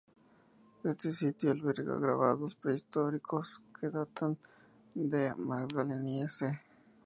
Este sitio alberga grabados prehistóricos que datan del Magdaleniense.